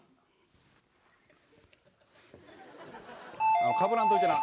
あのかぶらんといてな。